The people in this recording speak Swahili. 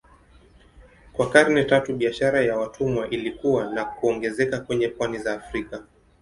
Kwa karne tatu biashara ya watumwa ilikua na kuongezeka kwenye pwani za Afrika.